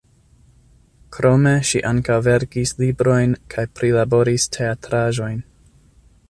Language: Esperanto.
Krome ŝi ankaŭ verkis librojn kaj prilaboris teatraĵojn.